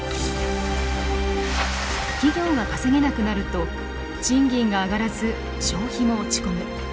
企業が稼げなくなると賃金が上がらず消費も落ち込む。